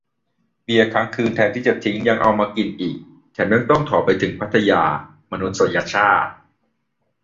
เบียร์ค้างคืน แทนที่จะทิ้ง ยังเอามากินอีก แถมยังต้องถ่อไปถึงพัทยา มนุษยชาติ